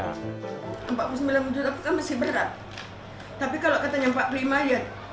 rp empat puluh sembilan juta kan masih berat tapi kalau katanya rp empat puluh lima juta